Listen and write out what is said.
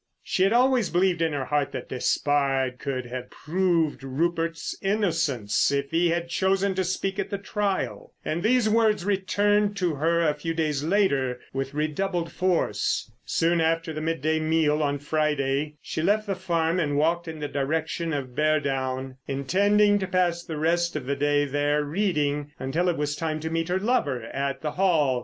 She had always believed in her heart that Despard could have proved Rupert's innocence if he had chosen to speak at the trial. And these words returned to her a few days later with redoubled force. Soon after the midday meal on Friday she left the farm and walked in the direction of Beardown, intending to pass the rest of the day there reading, until it was time to meet her lover at the Hall.